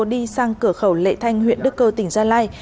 đi sang cửa khẩu lệ thanh huyện đức cơ tỉnh gia lai